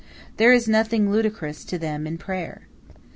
There is nothing ludicrous to them in prayer.